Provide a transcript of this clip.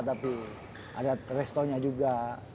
tapi ada restorannya juga